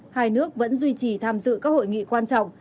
hai nước vẫn duy trì tham dự các hội nghị quan trọng